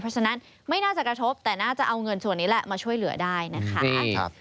เพราะฉะนั้นไม่น่าจะกระทบแต่น่าจะเอาเงินส่วนนี้แหละมาช่วยเหลือได้นะคะ